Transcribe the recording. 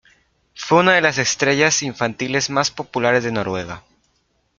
Fue una de las estrellas infantiles más populares de Noruega.